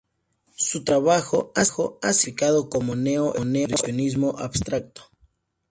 Su trabajo ha sido clasificado como neo-expresionismo abstracto.